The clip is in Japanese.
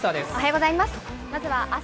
おはようございます。